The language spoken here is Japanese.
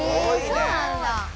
へえそうなんだ。